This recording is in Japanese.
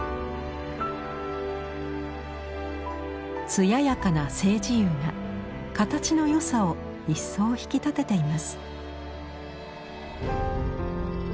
艶やかな青磁釉が形の良さを一層引き立てています。